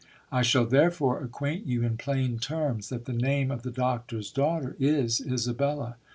I shall therefore acquaint you in plain terms, that the name of the doctor's daugh ter is Isabella.